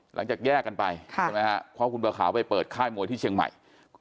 หลังจากแยกกันไปใช่ไหมฮะเพราะคุณบัวขาวไปเปิดค่ายมวยที่เชียงใหม่